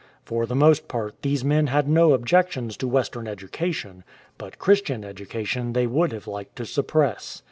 For the most part these men had no objections to Western education, but Christian education 59 THE "DOSHISHA" they would have liked to suppress.